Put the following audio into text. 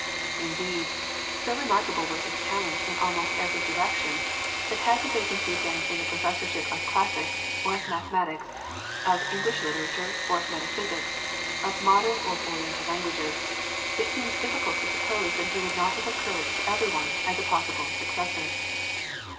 Indeed, so remarkable were his talents in almost every direction that had the vacancy been in the professorship of classics or of mathematics, of English literature or of metaphysics, of modern or of Oriental languages, it seems difficult to suppose that he would not have occurred to every one as a possible successor.